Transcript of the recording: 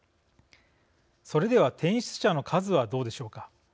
それでは転出者の数はどうでしょうか。